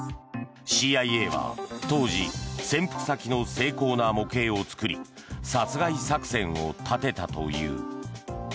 ＣＩＡは当時潜伏先の精巧な模型を作り殺害作戦を立てたという。